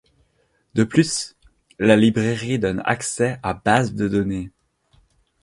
De plus, la librairie donne accès à bases de données.